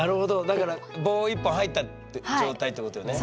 だから棒１本入ったって状態ってことよね？